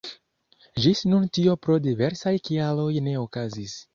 Ĝis nun tio pro diversaj kialoj ne okazis.